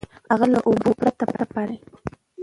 هغه له اوبو پرته پاتې دی.